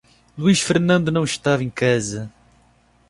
Luiz Fernando não estava em casa.